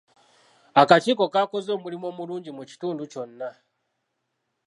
Akakiiko kaakoze omulimu omulungi mu kitundu kyonna